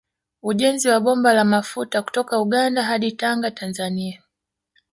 Ujenzi wa bomba la mafuta kutoka Uganda hadi Tanga Tanzania